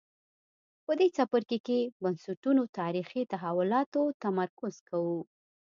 په دې څپرکي کې بنسټونو تاریخي تحولاتو تمرکز کوو.